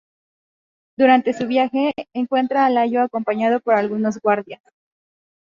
Durante su viaje, encuentra a Layo acompañado por algunos guardias.